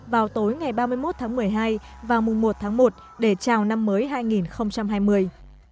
vào tối ngày ba mươi một một mươi hai và mùa một một để chào năm mới hai nghìn hai mươi